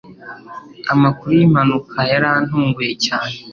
Amakuru yimpanuka yarantunguye cyane.